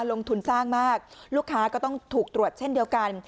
ลงทุนสร้างมากลูกค้าก็ต้องถูกตรวจเช่นเดียวกัน